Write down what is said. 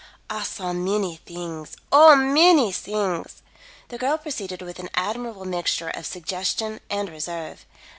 "I saw many things Oh many things " the girl proceeded with an admirable mixture of suggestion and reserve.